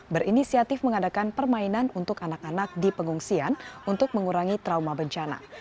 berinisiatif mengadakan permainan untuk anak anak di pengungsian untuk mengurangi trauma bencana